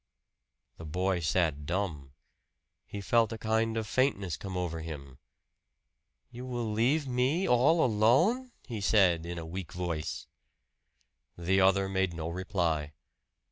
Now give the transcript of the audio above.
The boy sat dumb. He felt a kind of faintness come over him. "You will leave me all alone?" he said in a weak voice. The other made no reply.